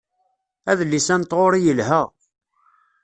Adlis-a n tɣuri yelha.